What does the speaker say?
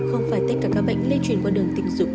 không phải tất cả các bệnh lê truyền qua đường tình dục